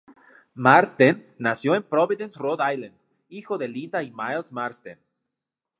Marsden nació en Providence, Rhode Island, hijo de Linda y Myles Marsden.